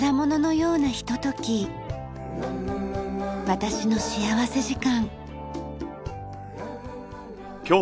『私の幸福時間』。